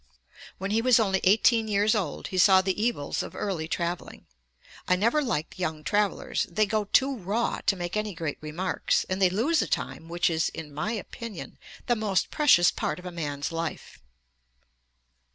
When he was only eighteen years old he saw the evils of early travelling: 'I never liked young travellers; they go too raw to make any great remarks, and they lose a time which is (in my opinion) the most precious part of a man's life.'